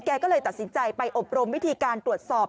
แกก็เลยตัดสินใจไปอบรมวิธีการตรวจสอบ